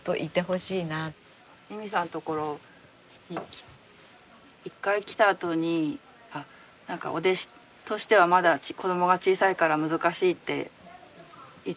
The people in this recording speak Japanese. ユミさんの所に一回来たあとに何かお弟子としてはまだ子どもが小さいから難しいって言ってくれてて。